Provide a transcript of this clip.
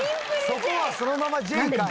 そこはそのままＪかい！